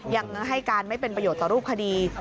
ยังให้การไม่เป็นประโยชน์ต่อรูปคดี